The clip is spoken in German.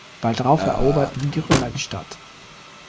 Bald darauf eroberten die Römer die Stadt.